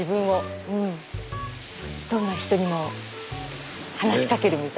どんな人にも話しかけるみたいな。